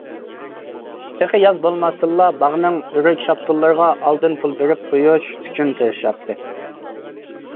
تېخى ياز بولماستىنلا باغنىڭ ئۆرۈك، شاپتۇللىرىغا ئالدىن پۇل بېرىپ قويۇش ئۈچۈن تىرىشاتتى.